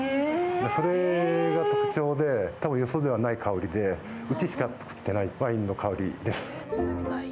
それが特徴で多分よそではない香りでうちしか作ってないワインの香りです。